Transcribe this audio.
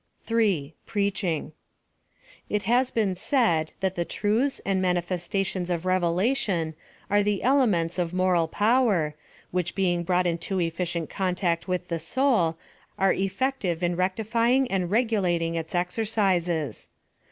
3, — PREACHING. It has oeeii said that the truths and manifestations of Revelation are the elements of moral power, which being brought into efficient contact with the soul, are effective in rectifying and regulating its exercises.